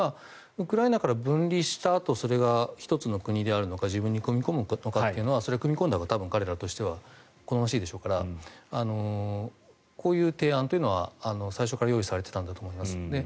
ウクライナから分離したあとそれが１つの国である自分に組み込むのかというのはそれは組み込んだほうが彼らとしては好ましいでしょうからこういう提案というのは最初から用意されていたんだと思います。